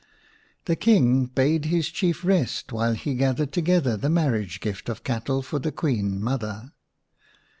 The King bade his Chief rest while he gathered together t^e marriage gift of cattle for the Queen mother.